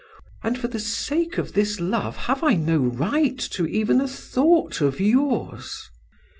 And for the sake of this love have I no right to even a thought of yours?